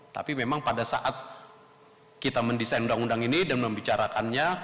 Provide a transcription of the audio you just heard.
tapi memang pada saat kita mendesain undang undang ini dan membicarakannya